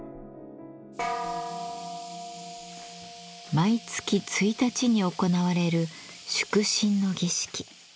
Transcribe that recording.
毎月１日に行われる祝聖の儀式。